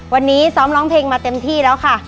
วันนี้ซ้อมร้องเพลงมาเต็มที่แล้วค่ะ